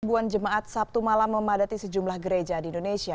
ribuan jemaat sabtu malam memadati sejumlah gereja di indonesia